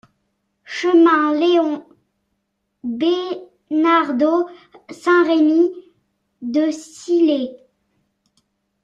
Chemin Léon Besnardeau, Saint-Rémy-de-Sillé